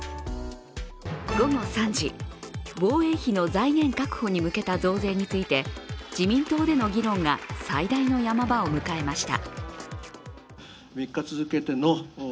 午後３時、防衛費の財源確保に向けた増税について自民党での議論が最大のヤマ場を迎えました。